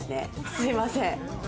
すみません。